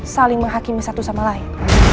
saling menghakimi satu sama lain